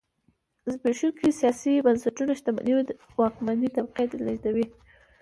زبېښونکي سیاسي بنسټونه شتمنۍ واکمنې طبقې ته لېږدوي.